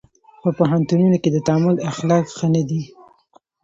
په پوهنتونونو کې د تعامل اخلاق ښه نه دي.